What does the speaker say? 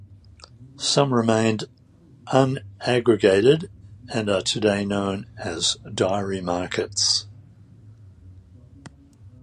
Some remained un-aggregated, and are today known as diary markets.